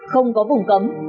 không có vùng cấm